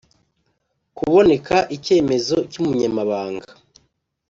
Kuboneka icyemezo cy umunyamabanga